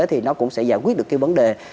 thì nó cũng sẽ giải quyết được vấn đề